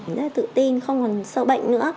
mình rất là tự tin không còn sợ bệnh nữa